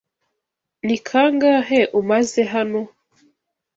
Ni kangahe umaze hano?